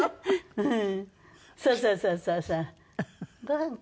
うん。